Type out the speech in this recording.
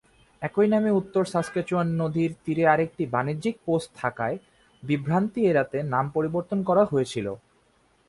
একই নামে উত্তর সাসক্যাচুয়ান নদীর তীরে আরেকটি বাণিজ্যিক পোস্ট থাকায় নামের বিভ্রান্তি এড়াতে নাম পরিবর্তন করা হয়েছিল।